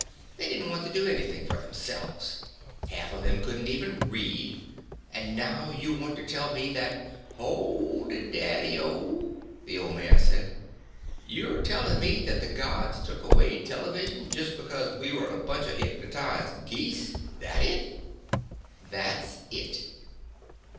They didn't want to do anything for themselves. Half of them couldn't even read. And now you want to tell me that " "Hold it, Daddy O," the old man said. "You're telling me that the Gods took away television just because we were a bunch of hypnotized geese. That it?" "That's it."